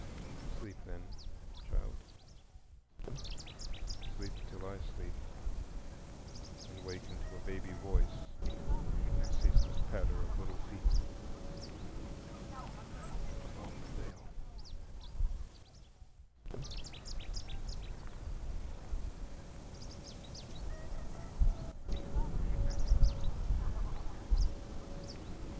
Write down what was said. Sleep, then, child,—sleep till I sleep and waken to a baby voice and the ceaseless patter of little feet—above the Veil.